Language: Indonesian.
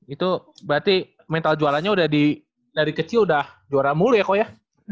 itu berarti mental jualannya udah dari kecil udah juara mulu ya kok ya